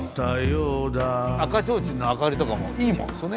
赤ちょうちんの明かりとかもいいもんですよね。